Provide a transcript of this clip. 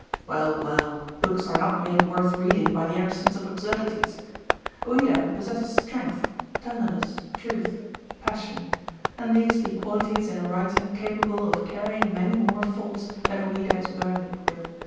Well, well, books are not made worth reading by the absence of absurdities. Ouida possesses strength, tenderness, truth, passion; and these be qualities in a writer capable of carrying many more faults than Ouida is burdened with.